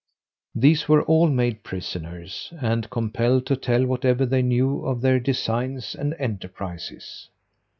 These were all made prisoners, and compelled to tell whatever they knew of their designs and enterprises.